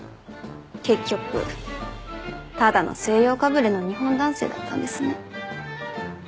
結局ただの西洋かぶれの日本男性だったんですね。